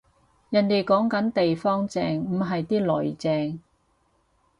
人哋講緊地方正，唔係啲囡正